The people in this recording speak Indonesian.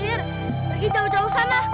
pergi jauh jauh sana